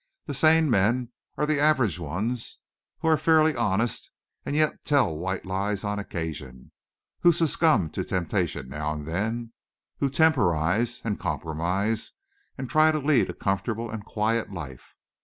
The sane men are the average ones, who are fairly honest and yet tell white lies on occasion, who succumb to temptation now and then; who temporise and compromise, and try to lead a comfortable and quiet life.